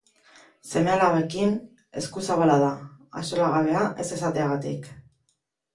Seme-alabekin eskuzabala da, axolagabea ez esateagatik.